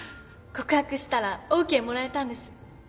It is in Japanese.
告白したらオーケーもらえたんです。